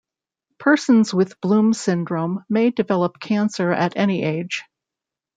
Persons with Bloom syndrome may develop cancer at any age.